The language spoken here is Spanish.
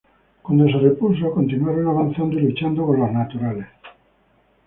Cuando se repuso, continuaron avanzando y luchando con los naturales.